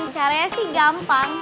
caranya sih gampang